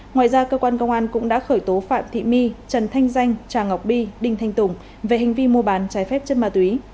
ngoài ra cơ quan công an cũng đã khởi tố phạm thị my trần thanh danh trà ngọc bi đinh thanh tùng về hành vi mua bán trái phép chất ma túy